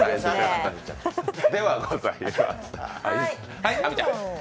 ではございません。